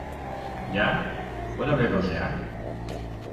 ¿ ya? ¿ puedo abrirlos ya ?